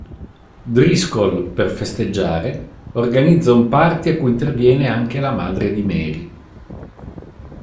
Driscoll, per festeggiare, organizza un party a cui interviene anche la madre di Mary.